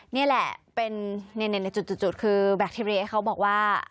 นี่แหละเป็นจุดคือแบคทีเรียเขาบอกว่า